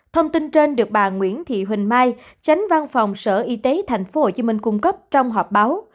trên trên được bà nguyễn thị huỳnh mai tránh văn phòng sở y tế thành phố hồ chí minh cung cấp trong họp báo